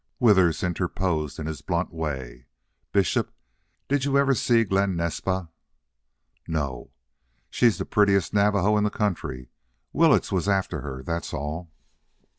Withers interposed in his blunt way, "Bishop, did you ever see Glen Naspa?" "No." "She's the prettiest Navajo in the country. Willetts was after her, that's all."